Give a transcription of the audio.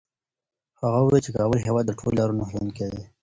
هغه وویل چي کابل د هېواد د ټولو لارو نښلوونکی دی.